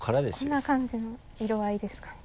こんな感じの色合いですかね？